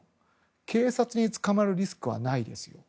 警察に捕まるリスクはないです